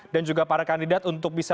dan juga para kandidat untuk bisa